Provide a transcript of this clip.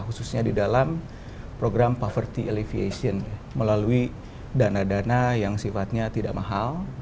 khususnya di dalam program poverty oliviation melalui dana dana yang sifatnya tidak mahal